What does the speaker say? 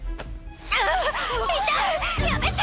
あぁ痛いやめて！